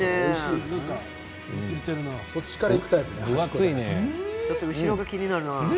そっちからいくタイプ。